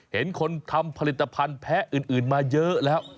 เห็นคนทำผลิตภัณฑ์แพ้อื่นมาเยอะแล้ว